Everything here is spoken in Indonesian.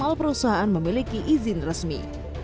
bahwa malah perusahaan memiliki izin resmi